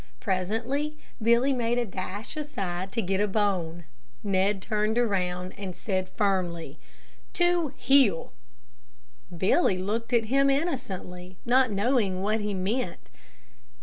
Presently Billy made a dash aside to get a bone. Ned turned around and said firmly, "To heel!" Billy looked at him innocently, not knowing what he meant.